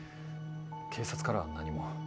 警察からは何も。